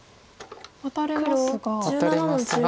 ワタれますが。